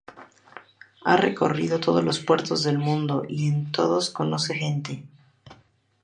Ha recorrido todos los puertos del mundo y en todos conoce gente.